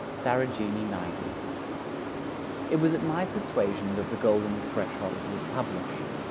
SAROJINI NAIDU It was at my persuasion that The Golden Threshold was published.